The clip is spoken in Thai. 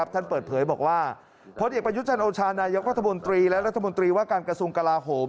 เปิดเผยบอกว่าพลเอกประยุจันทร์โอชานายกรัฐมนตรีและรัฐมนตรีว่าการกระทรวงกลาโหม